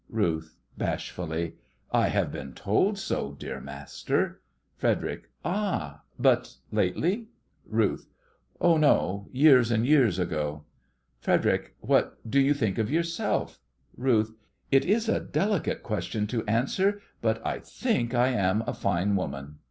RUTH: (bashfully) I have been told so, dear master. FREDERIC: Ah, but lately? RUTH: Oh, no; years and years ago. FREDERIC: What do you think of yourself? RUTH: It is a delicate question to answer, but I think I am a fine woman.